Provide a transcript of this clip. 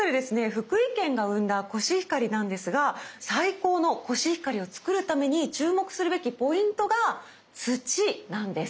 福井県が生んだコシヒカリなんですが最高のコシヒカリを作るために注目するべきポイントが土なんです。